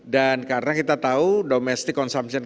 dan karena kita tahu domestic consumption